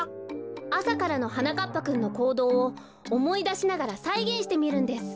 あさからのはなかっぱくんのこうどうをおもいだしながらさいげんしてみるんです。